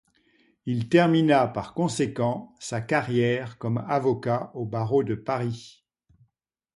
Il termina par conséquent sa carrière comme avocat au barreau de Paris.